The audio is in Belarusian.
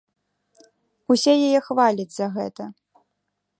Усе яе хваляць за гэта.